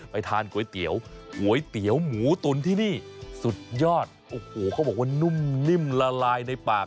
ทานก๋วยเตี๋ยวก๋วยเตี๋ยวก๋วยเตี๋ยวหมูตุ๋นที่นี่สุดยอดโอ้โหเขาบอกว่านุ่มนิ่มละลายในปาก